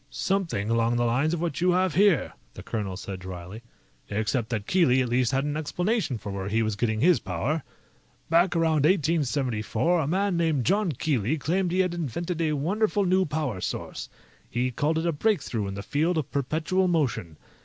"Something along the lines of what you have here," the colonel said dryly, "except that Keely at least had an explanation for where he was getting his power. Back around 1874, a man named John Keely claimed he had invented a wonderful new power source. He called it a breakthrough in the field of perpetual motion.